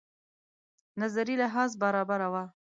نظري لحاظ برابره وه.